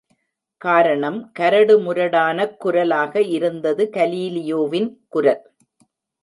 காரணம், கரடுமுரடானக் குரலாக இருந்தது கலீலியோவின் குரல்!